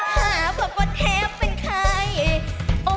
ข้าพ่อก็แทบเป็นใคร